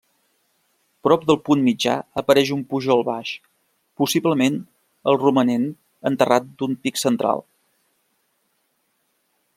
Prop del punt mitjà apareix un pujol baix, possiblement el romanent enterrat d'un pic central.